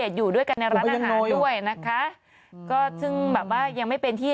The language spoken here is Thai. หวังแมงแม่เนอะ